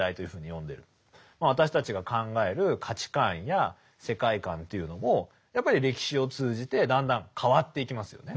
私たちが考える価値観や世界観というのもやっぱり歴史を通じてだんだん変わっていきますよね。